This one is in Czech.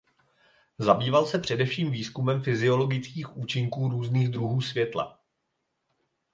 Zabýval se především výzkumem fyziologických účinků různých druhů světla.